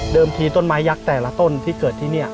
ทีต้นไม้ยักษ์แต่ละต้นที่เกิดที่นี่